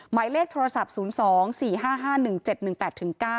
หมายเลขโทรศัพท์๐๒๔๕๕๑๗๑๘ถึง๙